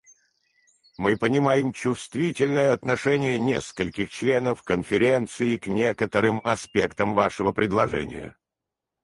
Мы понимаем чувствительное отношение нескольких членов Конференции к некоторым аспектам вашего предложения.